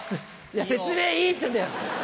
説明はいいってんだよ！